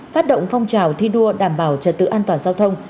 phát động phong trào thi đua đảm bảo trật tự an toàn giao thông